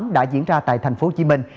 đã diễn ra tại thành phố hồ chí minh